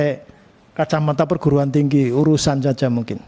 pakai kacamata perguruan tinggi urusan saja mungkin